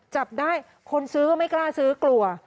จับได้คนซื้อก็ไม่กล้าซื้อกลัว